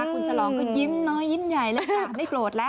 คุณฉลองก็ยิ้มน้อยยิ้มใหญ่เลยค่ะไม่โกรธแล้ว